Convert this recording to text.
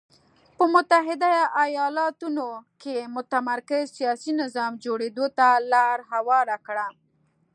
په متحده ایالتونو کې متمرکز سیاسي نظام جوړېدو ته لار هواره کړه.